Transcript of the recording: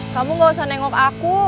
kamu gak usah nengok aku